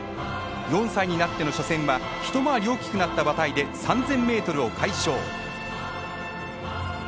４歳になっての初戦は一回り大きくなった馬体で３０００ｍを快勝。